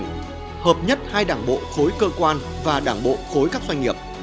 hợp nhất hai đảng bộ khối cơ quan và đảng bộ khối các doanh nghiệp